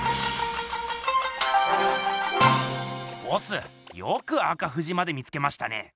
ボスよく赤富士まで見つけましたね。